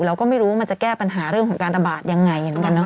เราก็ไม่รู้มันจะแก้ปัญหาเรื่องของการระบาดยังไง